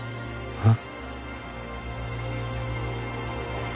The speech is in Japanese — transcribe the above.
えっ！